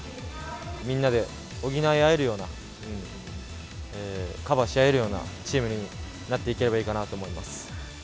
みんなで補い合えるような、カバーし合えるようなチームになっていければいいかなと思います。